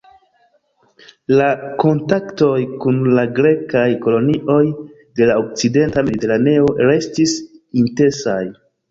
La kontaktoj kun la grekaj kolonioj de la okcidenta mediteraneo restis intensaj.